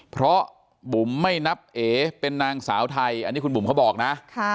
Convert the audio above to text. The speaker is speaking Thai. เพราะบุ๋มไม่นับเอเป็นนางสาวไทยอันนี้คุณบุ๋มเขาบอกนะ